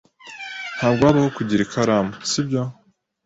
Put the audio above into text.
Ntabwo wabaho kugira ikaramu, sibyo?